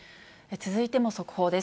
続いても速報です。